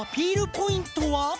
ポイントは？